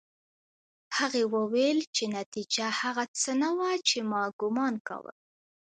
هغې وویل چې نتيجه هغه څه نه وه چې ما ګومان کاوه